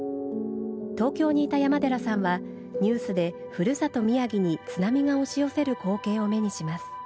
東京にいた山寺さんはニュースでふるさと宮城に津波が押し寄せる光景を目にします。